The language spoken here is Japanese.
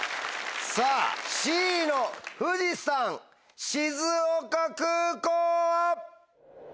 さぁＣの「富士山静岡空港」は？